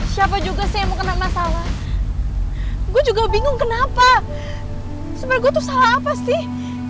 siapa juga sih yang mau kena masalah gue juga bingung kenapa supaya gue tuh salah apa sih